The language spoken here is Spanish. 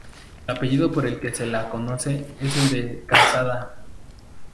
El apellido por el que se la conoce es el de casada.